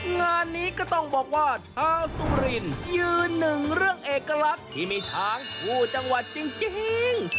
งานนี้ก็ต้องบอกว่าชาวสุรินยืนหนึ่งเรื่องเอกลักษณ์ที่มีช้างคู่จังหวัดจริง